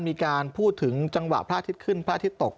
มีการพูดถึงจังหวะพระอาทิตย์ขึ้นพระอาทิตย์ตก